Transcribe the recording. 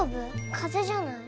風邪じゃない？